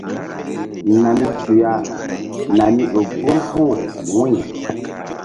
Nani su ya nani ƴo gbur puh wu̧y.